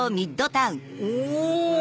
お！